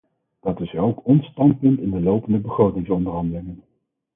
Dat is ook ons standpunt in de lopende begrotingsonderhandelingen.